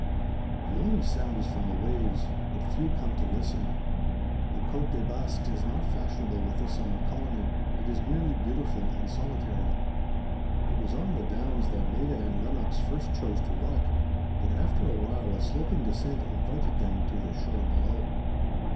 The only sound is from the waves, but few come to listen. The Côte des Basques is not fashionable with the summer colony; it is merely beautiful and solitary. It was on the downs that Maida and Lenox first chose to walk, but after a while a sloping descent invited them to the shore below.